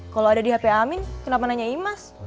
kalo ada di hp amin kenapa nanya imaz